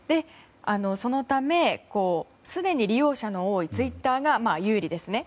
そのため、すでに利用者の多いツイッターが有利ですね。